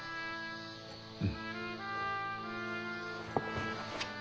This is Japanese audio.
うん。